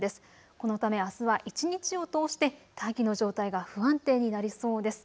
このため、あすは一日を通して大気の状態が不安定になりそうです。